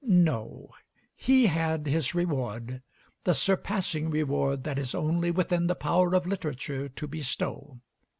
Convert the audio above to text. No; he had his reward the surpassing reward that is only within the power of literature to bestow.